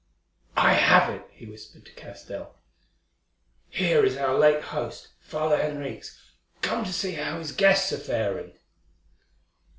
"I have it," he whispered to Castell. "Here is our late host, Father Henriques, come to see how his guests are faring."